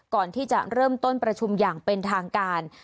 ก่อนที่จะเริ่มต้นประชุมอย่างเป็นทางการ